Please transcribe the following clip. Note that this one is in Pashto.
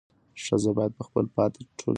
ښځه باید په خپل پاتې ژوند کې صبر وکړي.